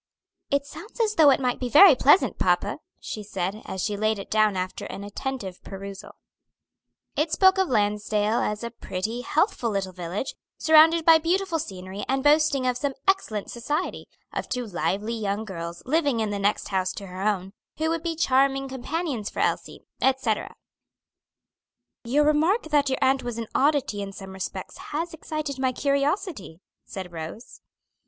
"It sounds as though it might be very pleasant, papa," she said, as she laid it down after an attentive perusal. It spoke of Lansdale as a pretty, healthful village, surrounded by beautiful scenery, and boasting of some excellent society: of two lively young girls, living in the next house to her own, who would be charming companions for Elsie, etc. "Your remark that your aunt was an oddity in some respects has excited my curiosity," said Rose.